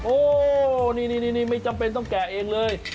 โอ้นี่ไม่จำเป็นต้องแกะเองเลย